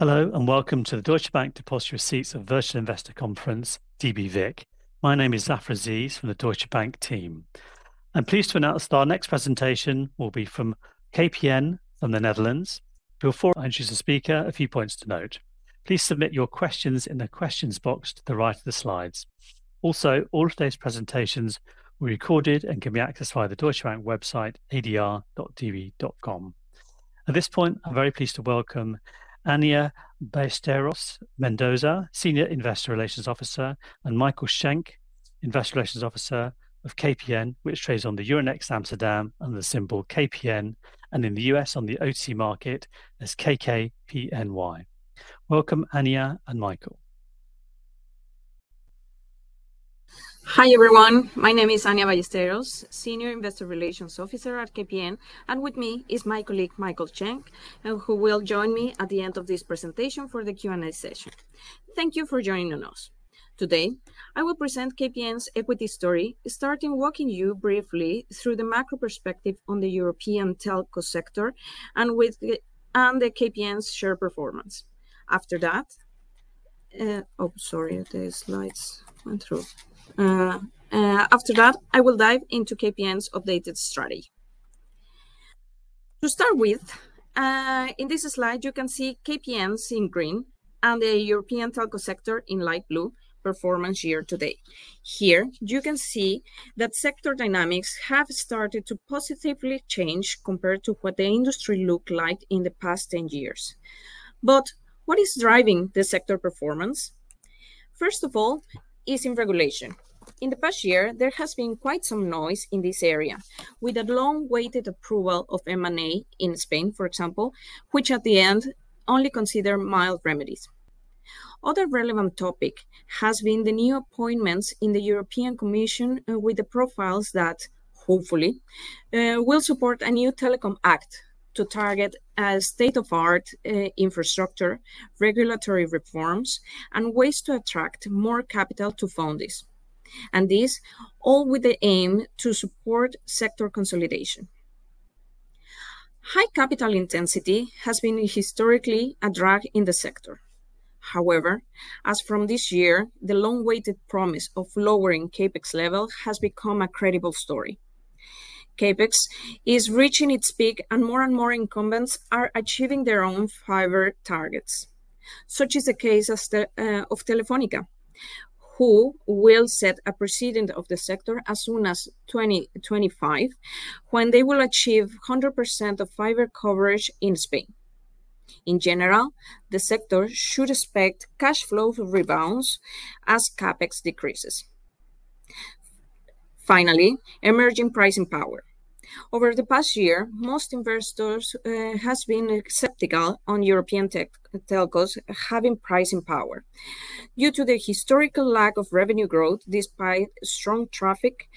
Hello, and welcome to the Deutsche Bank's Depositary Receipts and Virtual Investor Conference, dbVIC. My name is Zafar Aziz from the Deutsche Bank team. I'm pleased to announce that our next presentation will be from KPN from the Netherlands. Before I introduce the speaker, a few points to note. Please submit your questions in the questions box to the right of the slides. Also, all of today's presentations will be recorded and can be accessed via the Deutsche Bank website, adr.db.com. At this point, I'm very pleased to welcome Annia Ballesteros Mendoza, Senior Investor Relations Officer, and Michael Schenk, Investor Relations Officer of KPN, which trades on the Euronext Amsterdam under the symbol KPN, and in the U.S. on the OTC market as KKPNY. Welcome, Annia and Michael. Hi, everyone. My name is Annia Ballesteros, Senior Investor Relations Officer at KPN, and with me is my colleague, Michael Schenk, who will join me at the end of this presentation for the Q&A session. Thank you for joining us. Today, I will present KPN's equity story, starting walking you briefly through the macro perspective on the European telco sector and the KPN's share performance. After that, I will dive into KPN's updated strategy. To start with, in this slide, you can see KPN in green and the European telco sector in light blue, performance year to date. Here, you can see that sector dynamics have started to positively change compared to what the industry looked like in the past 10 years. But what is driving the sector performance? First of all, is in regulation. In the past year, there has been quite some noise in this area, with a long-awaited approval of M&A in Spain, for example, which at the end, only consider mild remedies. Other relevant topic has been the new appointments in the European Commission with the profiles that, hopefully, will support a new telecom act to target a state-of-the-art infrastructure, regulatory reforms, and ways to attract more capital to fund this. And this, all with the aim to support sector consolidation. High capital intensity has been historically a drag in the sector. However, as from this year, the long-awaited promise of lowering CapEx level has become a credible story. CapEx is reaching its peak, and more and more incumbents are achieving their own fiber targets. Such is the case as of Telefónica, who will set a precedent of the sector as soon as 2025, when they will achieve 100% of fiber coverage in Spain. In general, the sector should expect cash flow to rebound as CapEx decreases. Finally, emerging pricing power. Over the past year, most investors has been skeptical on European tech telcos having pricing power due to the historical lack of revenue growth, despite strong traffic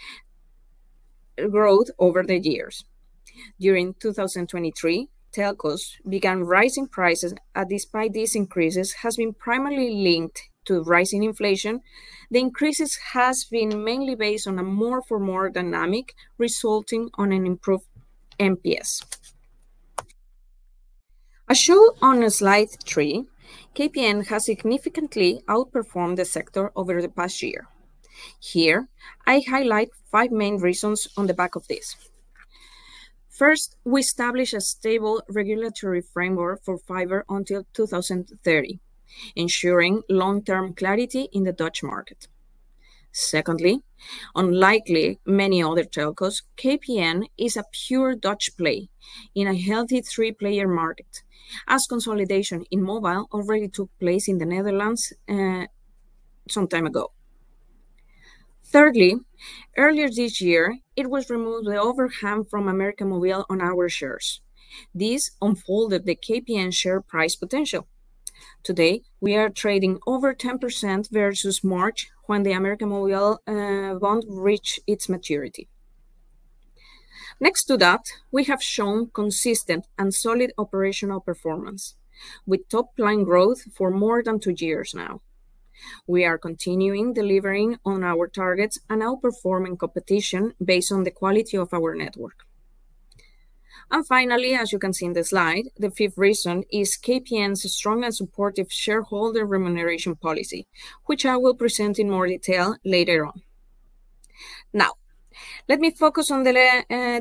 growth over the years. During 2023, telcos began raising prices, and despite these increases, has been primarily linked to rising inflation. The increases has been mainly based on a more-for-more dynamic, resulting on an improved NPS. As shown on slide three, KPN has significantly outperformed the sector over the past year. Here, I highlight five main reasons on the back of this. First, we establish a stable regulatory framework for fiber until 2030, ensuring long-term clarity in the Dutch market. Secondly, unlike many other telcos, KPN is a pure Dutch play in a healthy three-player market, as consolidation in mobile already took place in the Netherlands some time ago. Thirdly, earlier this year, it was removed the overhang from América Móvil on our shares. This unfolded the KPN share price potential. Today, we are trading over 10% versus March, when the América Móvil bond reached its maturity. Next to that, we have shown consistent and solid operational performance with top-line growth for more than two years now. We are continuing delivering on our targets and outperforming competition based on the quality of our network. Finally, as you can see in the slide, the fifth reason is KPN's strong and supportive shareholder remuneration policy, which I will present in more detail later on. Now, let me focus on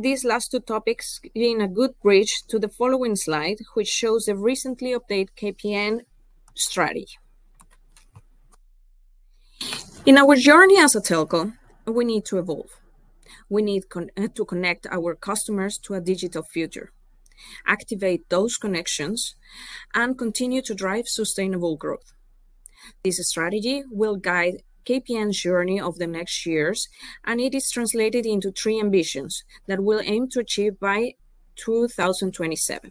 these last two topics in a good bridge to the following slide, which shows the recently updated KPN strategy. In our journey as a telco, we need to evolve. We need to connect our customers to a digital future, activate those connections, and continue to drive sustainable growth. This strategy will guide KPN's journey of the next years, and it is translated into three ambitions that we'll aim to achieve by 2027.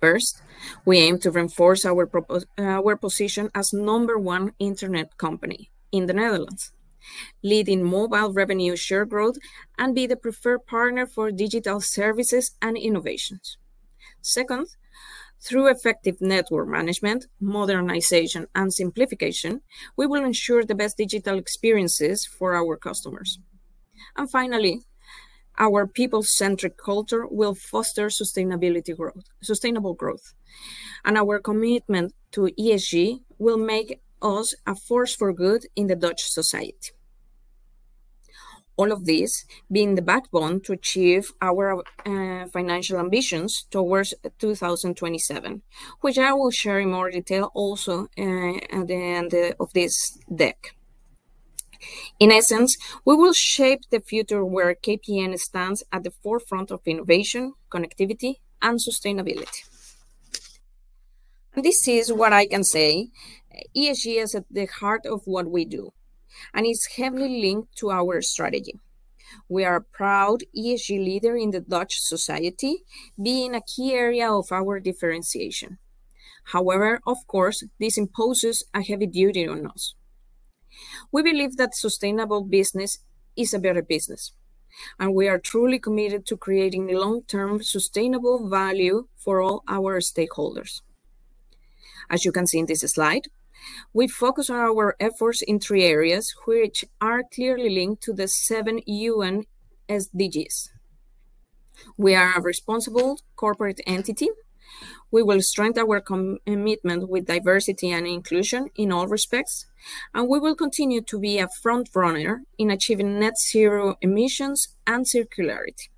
First, we aim to reinforce our position as number one Internet company in the Netherlands, leading mobile revenue share growth, and be the preferred partner for digital services and innovations. Second, through effective network management, modernization, and simplification, we will ensure the best digital experiences for our customers. And finally, our people-centric culture will foster sustainable growth, and our commitment to ESG will make us a force for good in the Dutch society. All of this being the backbone to achieve our financial ambitions towards 2027, which I will share in more detail also at the end of this deck. In essence, we will shape the future where KPN stands at the forefront of innovation, connectivity, and sustainability. And this is what I can say: ESG is at the heart of what we do, and it's heavily linked to our strategy. We are a proud ESG leader in the Dutch society, being a key area of our differentiation. However, of course, this imposes a heavy duty on us. We believe that sustainable business is a better business, and we are truly committed to creating long-term sustainable value for all our stakeholders. As you can see in this slide, we focus our efforts in three areas, which are clearly linked to the seven UN SDGs. We are a responsible corporate entity. We will strengthen our commitment with diversity and inclusion in all respects, and we will continue to be a front runner in achieving net zero emissions and circularity.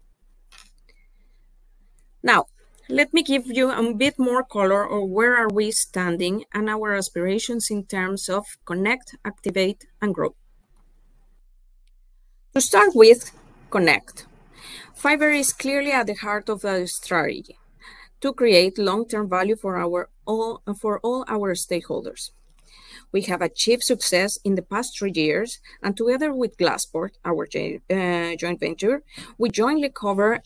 Now, let me give you a bit more color on where are we standing and our aspirations in terms of Connect, Activate, and Grow. To start with, Connect. Fiber is clearly at the heart of our strategy to create long-term value for all our stakeholders. We have achieved success in the past three years, and together with Glaspoort, our joint venture, we jointly cover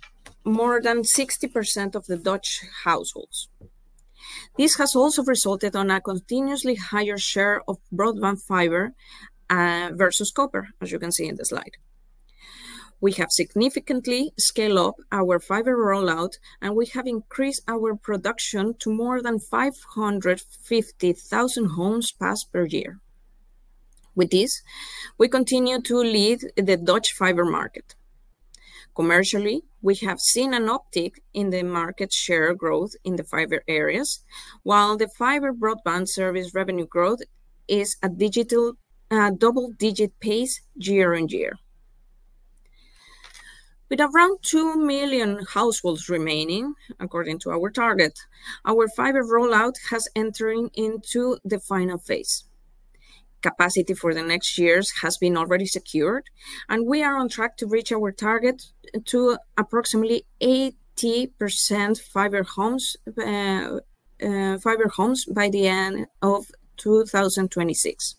more than 60% of the Dutch households. This has also resulted in a continuously higher share of broadband fiber versus copper, as you can see in the slide. We have significantly scaled up our fiber rollout, and we have increased our production to more than 550,000 homes passed per year. With this, we continue to lead the Dutch fiber market. Commercially, we have seen an uptick in the market share growth in the fiber areas, while the fiber broadband service revenue growth is at a double-digit pace year on year. With around 2 million households remaining, according to our target, our fiber rollout has entered into the final phase. Capacity for the next years has been already secured, and we are on track to reach our target to approximately 80% fiber homes by the end of 2026.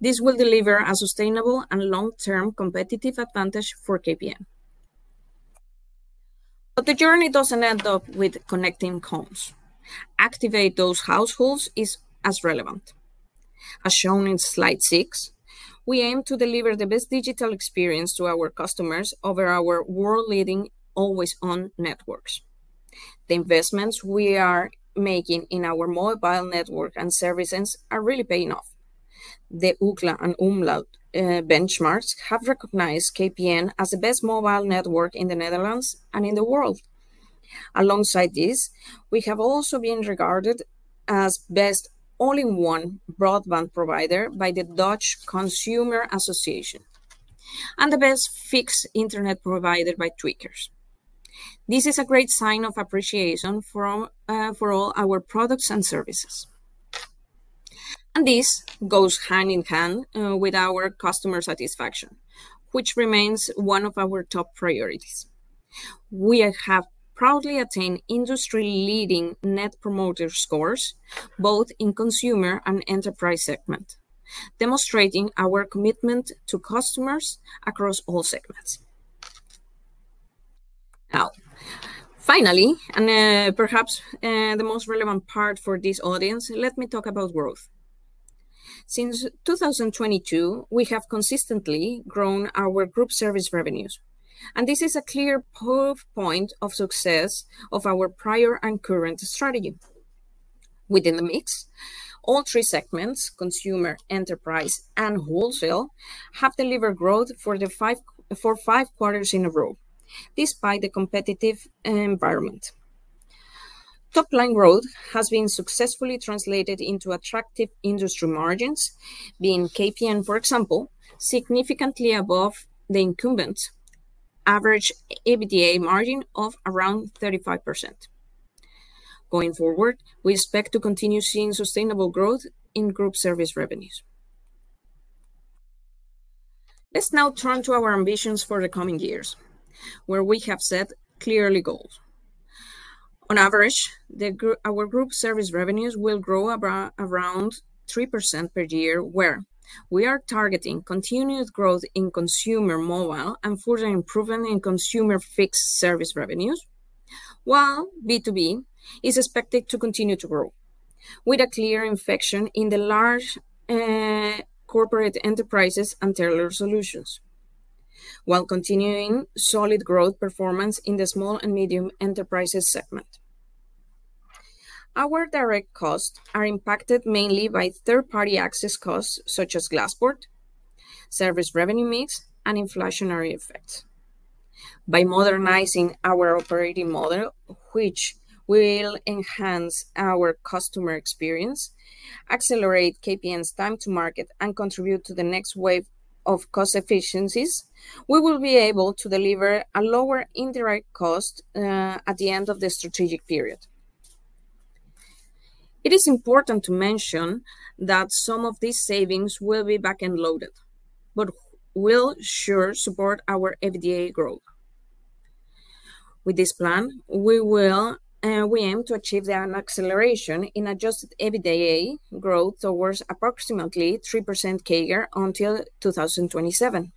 This will deliver a sustainable and long-term competitive advantage for KPN. But the journey doesn't end up with connecting homes. Activate those households is as relevant. As shown in slide six, we aim to deliver the best digital experience to our customers over our world-leading, always-on networks. The investments we are making in our mobile network and services are really paying off. The Ookla and Umlaut benchmarks have recognized KPN as the best mobile network in the Netherlands and in the world. Alongside this, we have also been regarded as best all-in-one broadband provider by the Dutch Consumer Association and the best fixed Internet provider by Tweakers. This is a great sign of appreciation from for all our products and services. And this goes hand in hand with our customer satisfaction, which remains one of our top priorities. We have proudly attained industry-leading Net Promoter Scores, both in consumer and enterprise segment, demonstrating our commitment to customers across all segments. Now, finally, and perhaps the most relevant part for this audience, let me talk about growth. Since 2022, we have consistently grown our group service revenues, and this is a clear proof point of success of our prior and current strategy. Within the mix, all three segments, consumer, enterprise, and wholesale, have delivered growth for five quarters in a row, despite the competitive environment. Top-line growth has been successfully translated into attractive industry margins, being KPN, for example, significantly above the incumbent average EBITDA margin of around 35%. Going forward, we expect to continue seeing sustainable growth in group service revenues. Let's now turn to our ambitions for the coming years, where we have set clear goals. On average, our group service revenues will grow around 3% per year, where we are targeting continuous growth in consumer mobile and further improvement in consumer fixed service revenues, while B2B is expected to continue to grow with a clear focus in the large corporate enterprises and tailored solutions, while continuing solid growth performance in the small and medium enterprises segment. Our direct costs are impacted mainly by third-party access costs, such as Glaspoort, service revenue mix, and inflationary effects. By modernizing our operating model, which will enhance our customer experience, accelerate KPN's time to market, and contribute to the next wave of cost efficiencies, we will be able to deliver a lower indirect cost at the end of the strategic period. It is important to mention that some of these savings will be back-end loaded, but will sure support our EBITDA growth. With this plan, we aim to achieve an acceleration in adjusted EBITDA growth towards approximately 3% CAGR until 2027,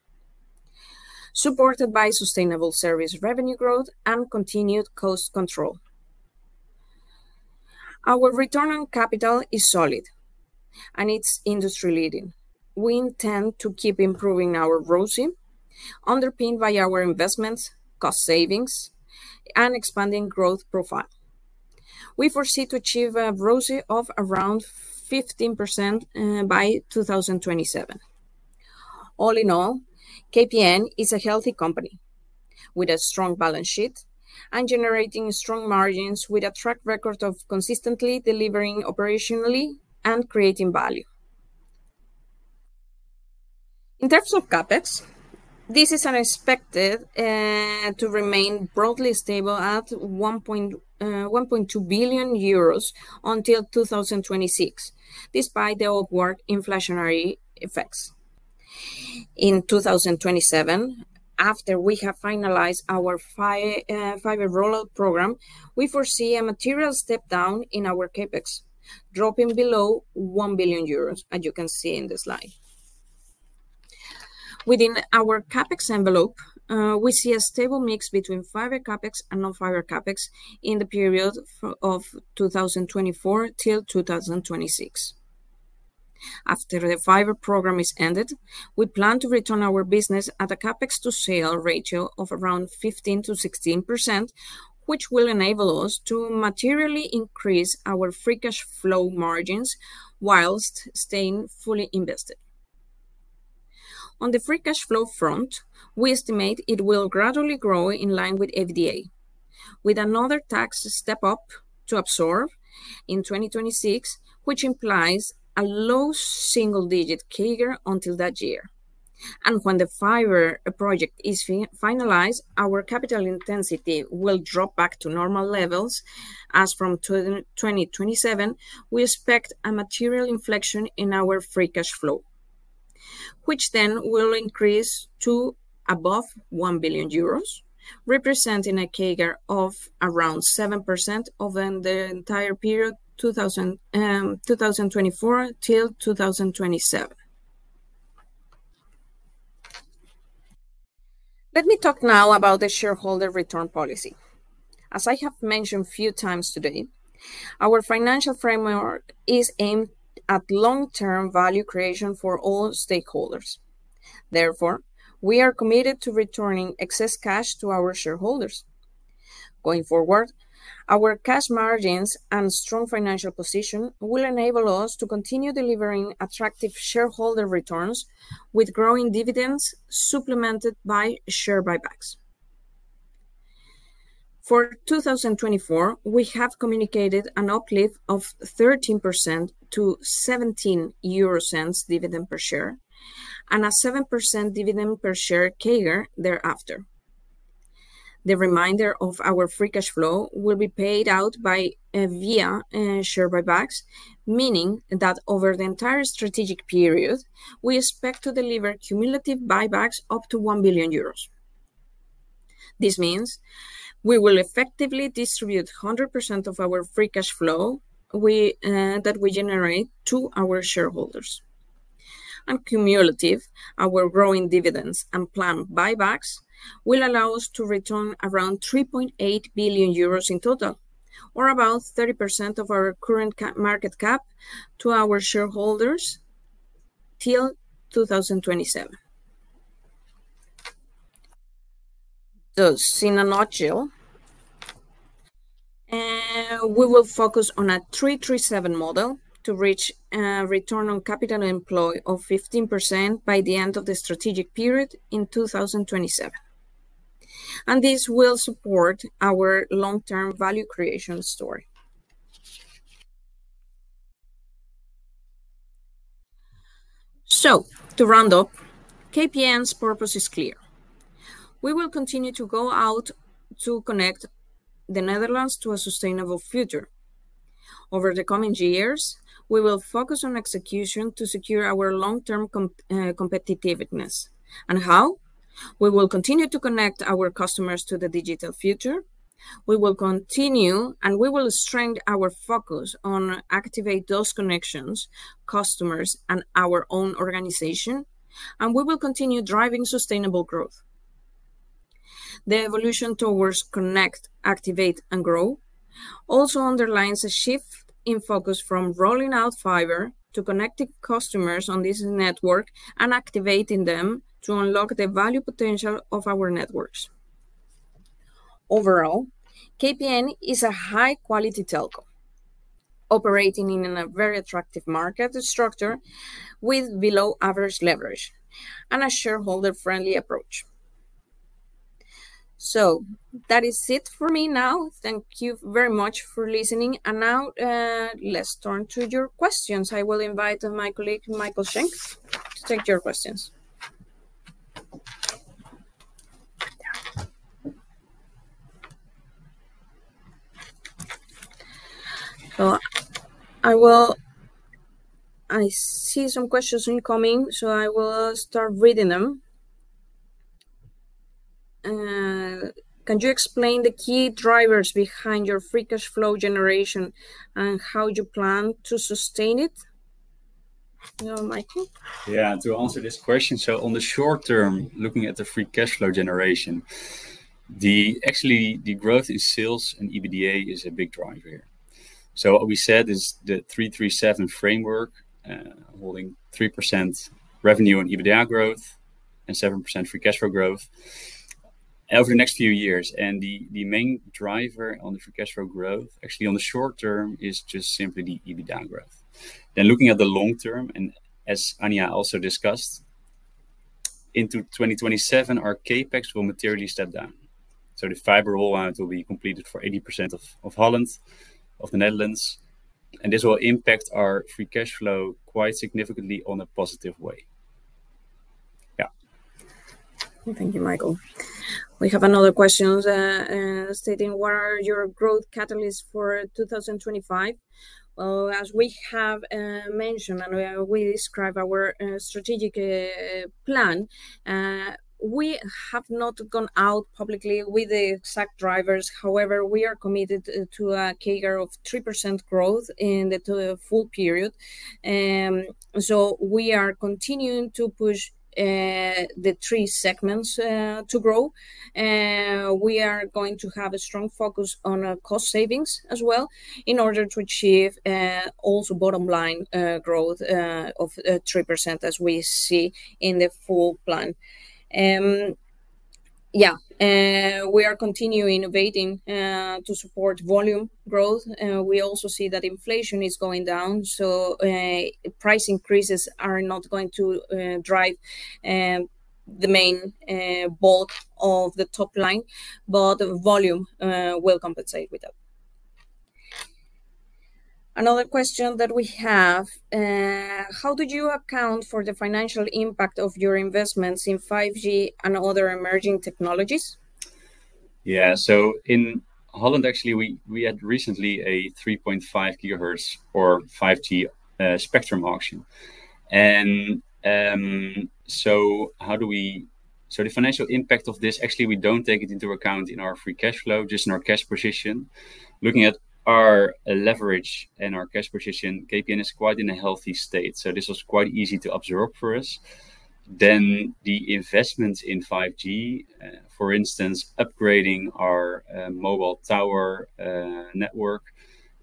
supported by sustainable service revenue growth and continued cost control. Our return on capital is solid, and it's industry-leading. We intend to keep improving our ROCE, underpinned by our investments, cost savings, and expanding growth profile. We foresee to achieve a ROCE of around 15%, by 2027. All in all, KPN is a healthy company with a strong balance sheet and generating strong margins, with a track record of consistently delivering operationally and creating value. In terms of CapEx, this is unexpected to remain broadly stable at 1.2 billion euros until 2026, despite the upward inflationary effects. In 2027, after we have finalized our fiber rollout program, we foresee a material step down in our CapEx, dropping below 1 billion euros, as you can see in the slide. Within our CapEx envelope, we see a stable mix between fiber CapEx and non-fiber CapEx in the period of 2024 till 2026. After the fiber program is ended, we plan to return our business at a CapEx to sales ratio of around 15%-16%, which will enable us to materially increase our free cash flow margins whilst staying fully invested. On the free cash flow front, we estimate it will gradually grow in line with EBITDA, with another tax step up to absorb in 2026, which implies a low single-digit CAGR until that year. When the fiber project is finalized, our capital intensity will drop back to normal levels. As from 2027, we expect a material inflection in our free cash flow, which then will increase to above 1 billion euros, representing a CAGR of around 7% over the entire period, 2024 till 2027. Let me talk now about the shareholder return policy. As I have mentioned a few times today, our financial framework is aimed at long-term value creation for all stakeholders. Therefore, we are committed to returning excess cash to our shareholders. Going forward, our cash margins and strong financial position will enable us to continue delivering attractive shareholder returns, with growing dividends supplemented by share buybacks. For 2024, we have communicated an uplift of 13% to 0.17 dividend per share and a 7% dividend per share CAGR thereafter. The remainder of our free cash flow will be paid out via share buybacks, meaning that over the entire strategic period, we expect to deliver cumulative buybacks up to 1 billion euros. This means we will effectively distribute 100% of our free cash flow that we generate to our shareholders. Cumulatively, our growing dividends and planned buybacks will allow us to return around 3.8 billion euros in total, or about 30% of our current market cap to our shareholders till 2027. In a nutshell, we will focus on a 3-3-7 model to reach a return on capital employed of 15% by the end of the strategic period in 2027, and this will support our long-term value creation story. To round up, KPN's purpose is clear: We will continue to go out to connect the Netherlands to a sustainable future. Over the coming years, we will focus on execution to secure our long-term competitiveness. And how? We will continue to connect our customers to the digital future. We will continue, and we will strengthen our focus on activate those connections, customers, and our own organization, and we will continue driving sustainable growth. The evolution towards Connect, Activate, and Grow also underlines a shift in focus from rolling out fiber to connecting customers on this network and activating them to unlock the value potential of our networks.... Overall, KPN is a high-quality telco, operating in a very attractive market structure with below-average leverage and a shareholder-friendly approach. So that is it for me now. Thank you very much for listening, and now, let's turn to your questions. I will invite my colleague, Michael Schenk, to take your questions. So I will. I see some questions incoming, so I will start reading them. Can you explain the key drivers behind your free cash flow generation and how you plan to sustain it? Now, Michael. Yeah, to answer this question, so on the short-term, looking at the free cash flow generation, actually, the growth in sales and EBITDA is a big driver here. So what we said is the 3-3-7 framework, holding 3% revenue and EBITDA growth and 7% free cash flow growth over the next few years. And the main driver on the free cash flow growth, actually, on the short-term, is just simply the EBITDA growth. Then looking at the long-term, and as Annia also discussed, into 2027, our CapEx will materially step down. So the fiber rollout will be completed for 80% of Holland, the Netherlands, and this will impact our free cash flow quite significantly on a positive way. Yeah. Thank you, Michael. We have another question stating: What are your growth catalysts for 2025? Well, as we have mentioned, and we describe our strategic plan, we have not gone out publicly with the exact drivers. However, we are committed to a CAGR of 3% growth in the full period. So we are continuing to push the three segments to grow. We are going to have a strong focus on cost savings as well, in order to achieve also bottom line growth of 3%, as we see in the full plan. We are continuing innovating to support volume growth. We also see that inflation is going down, so price increases are not going to drive the main bulk of the top line, but volume will compensate with that. Another question that we have: How did you account for the financial impact of your investments in 5G and other emerging technologies? Yeah. In Holland, actually, we had recently a 3.5 GHz or 5G spectrum auction. The financial impact of this, actually, we don't take it into account in our free cash flow, just in our cash position. Looking at our leverage and our cash position, KPN is quite in a healthy state, so this was quite easy to absorb for us. Then the investments in 5G, for instance, upgrading our mobile tower network,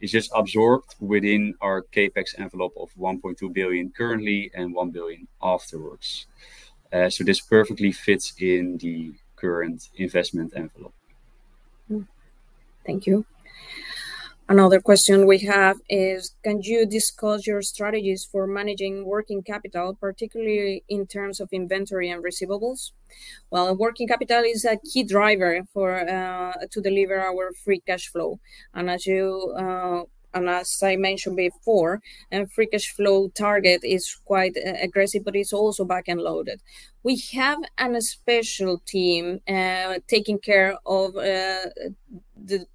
is just absorbed within our CapEx envelope of 1.2 billion currently and 1 billion afterwards. This perfectly fits in the current investment envelope. Mm. Thank you. Another question we have is: Can you discuss your strategies for managing working capital, particularly in terms of inventory and receivables? Well, working capital is a key driver for, to deliver our free cash flow, and as you, and as I mentioned before, and free cash flow target is quite aggressive, but it's also back-end loaded. We have a special team taking care of the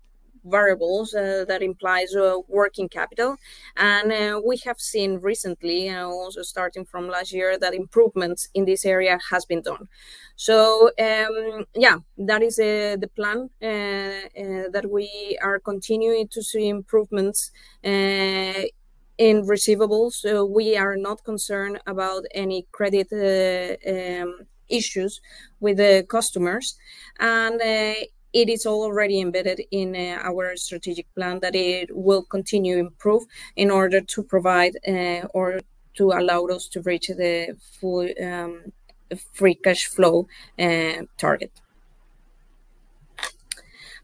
variables that implies working capital, and we have seen recently, and also starting from last year, that improvements in this area has been done. So, yeah, that is the plan that we are continuing to see improvements in receivables. So we are not concerned about any credit issues with the customers, and it is already embedded in our strategic plan that it will continue to improve in order to provide or to allow us to reach the full free cash flow target.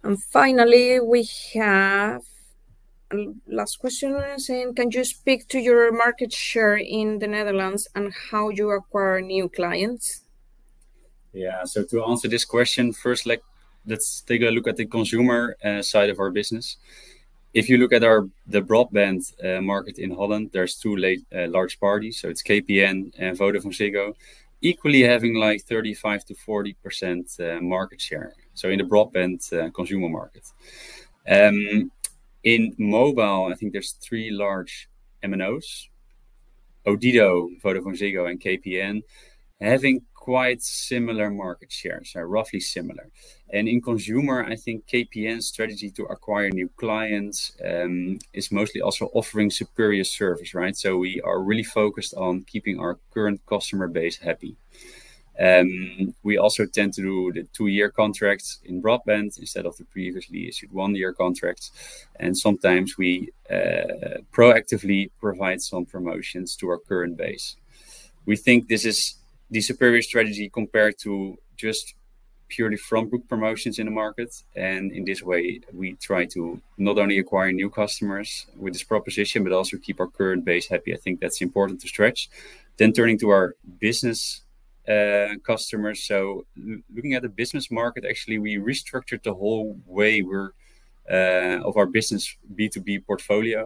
And finally, we have last question saying: Can you speak to your market share in the Netherlands and how you acquire new clients? Yeah. So to answer this question, first, let's take a look at the consumer side of our business. If you look at our broadband market in Holland, there's two large parties, so it's KPN and VodafoneZiggo, equally having, like, 35%-40% market share, so in the broadband consumer market. In mobile, I think there's three large MNOs: Odido, VodafoneZiggo, and KPN, having quite similar market shares, so roughly similar. In consumer, KPN's strategy to acquire new clients is mostly also offering superior service, right? So we are really focused on keeping our current customer base happy. We also tend to do the two-year contracts in broadband instead of the previously issued one-year contracts, and sometimes we proactively provide some promotions to our current base. We think this is the superior strategy compared to just-... purely front group promotions in the markets, and in this way, we try to not only acquire new customers with this proposition, but also keep our current base happy. I think that's important to stress. Then turning to our business customers. So looking at the business market, actually, we restructured the whole way we offer our business B2B portfolio.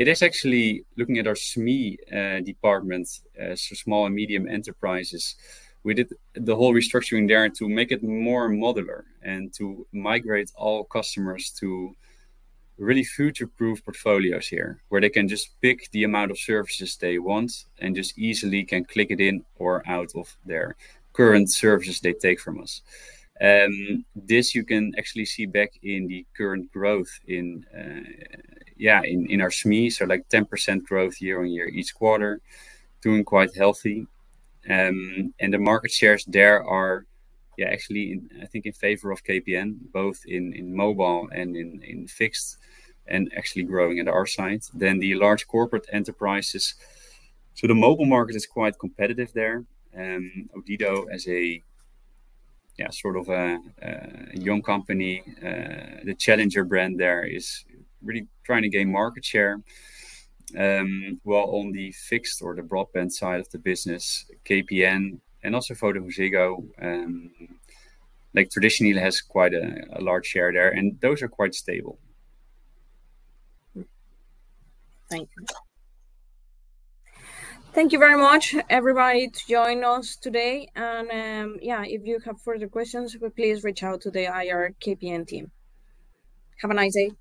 It is actually looking at our SME department, so small and medium enterprises. We did the whole restructuring there to make it more modular and to migrate all customers to really future-proof portfolios here, where they can just pick the amount of services they want and just easily can click it in or out of their current services they take from us. This you can actually see back in the current growth in, in our SMEs, so like 10% growth year on year, each quarter, doing quite healthy, and the market shares there are, actually in, I think, in favor of KPN, both in, in mobile and in, in fixed, and actually growing at our side. Then the large corporate enterprises. So the mobile market is quite competitive there. Odido as a, sort of a young company, the challenger brand there is really trying to gain market share. While on the fixed or the broadband side of the business, KPN and also VodafoneZiggo, like traditionally, has quite a, a large share there, and those are quite stable. Thank you. Thank you very much, everybody, to join us today. And, yeah, if you have further questions, please reach out to the IR KPN team. Have a nice day!